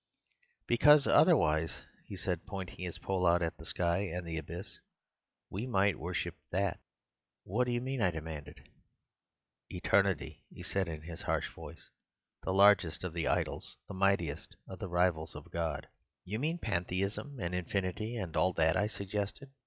"'Because otherwise,' he said, pointing his pole out at the sky and the abyss, 'we might worship that.' "'What do you mean?' I demanded. "'Eternity,' he said in his harsh voice, 'the largest of the idols— the mightiest of the rivals of God.' "'You mean pantheism and infinity and all that,' I suggested.